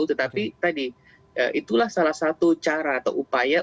tetapi tadi itulah salah satu cara atau upaya